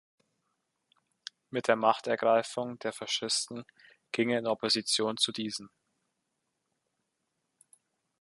Mit der Machtergreifung der Faschisten ging er in Opposition zu diesen.